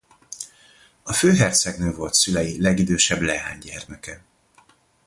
A főhercegnő volt szülei legidősebb leánygyermeke.